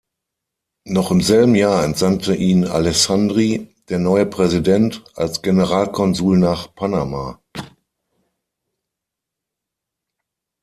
Noch im selben Jahr entsandte ihn Alessandri, der neue Präsident, als Generalkonsul nach Panama.